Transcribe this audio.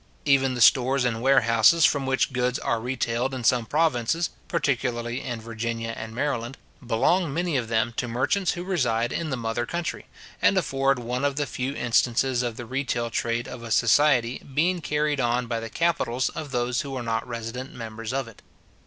Even the stores and warehouses from which goods are retailed in some provinces, particularly in Virginia and Maryland, belong many of them to merchants who reside in the mother country, and afford one of the few instances of the retail trade of a society being carried on by the capitals of those who are not resident members of it.